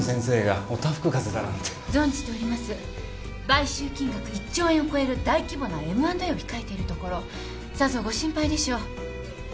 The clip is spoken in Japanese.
買収金額１兆円を超える大規模なＭ＆Ａを控えているところさぞご心配でしょう。